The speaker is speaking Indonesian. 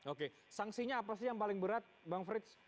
oke sanksinya apa sih yang paling berat bang frits